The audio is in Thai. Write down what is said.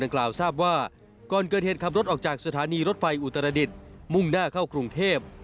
การขับรถออกจากสถานีรถไฟอุตรดิษฐ์มุ่งหน้าเข้ากรุงเทพฯ